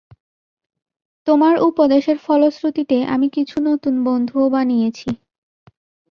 তোমার উপদেশের ফলশ্রুতিতে, আমি কিছু নতুন বন্ধুও বানিয়েছি।